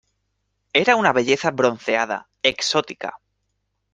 era una belleza bronceada, exótica